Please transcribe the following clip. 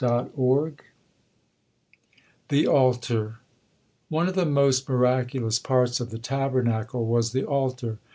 THE ALTAR One of the most miraculous parts of the Tabernacle was the altar.